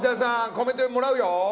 コメントもらうよ。